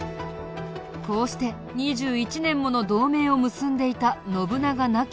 こうして２１年もの同盟を結んでいた信長亡き